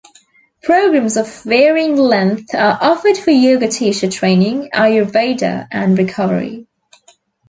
Programs of varying length are offered for yoga teacher training, ayurveda, and recovery.